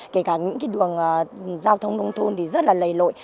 kể cả những cái đường giao thông nông thôn thì rất là lầy lội